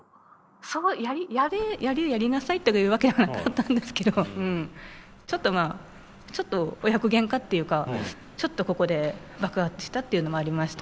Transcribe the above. そうやりなさいとか言うわけではなかったんですけどちょっと親子げんかっていうかちょっとここで爆発したっていうのもありましたね。